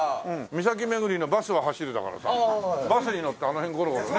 「岬めぐりのバスは走る」だからさバスに乗ってあの辺ゴロゴロね。